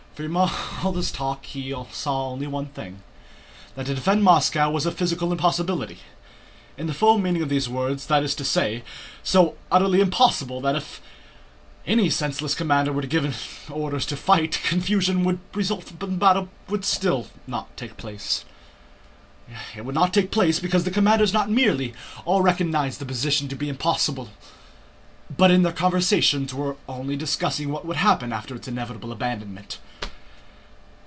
From all this talk he saw only one thing: that to defend Moscow was a physical impossibility in the full meaning of those words, that is to say, so utterly impossible that if any senseless commander were to give orders to fight, confusion would result but the battle would still not take place. It would not take place because the commanders not merely all recognized the position to be impossible, but in their conversations were only discussing what would happen after its inevitable abandonment.